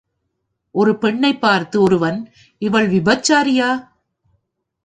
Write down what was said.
ஒரு பெண்ணைப் பார்த்து ஒருவன் இவள் விபச்சாரியா?